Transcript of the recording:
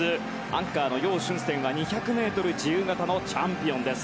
アンカーのヨウ・シュンセンは２００ｍ自由形のチャンピオンです。